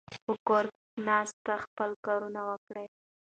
په کور ناست خپل کارونه وکړئ.